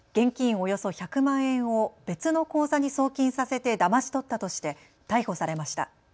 およそ１００万円を別の口座に送金させてだまし取ったとして逮捕されました。